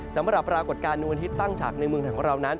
ปรากฏการณ์ดวงอาทิตย์ตั้งฉากในเมืองไทยของเรานั้น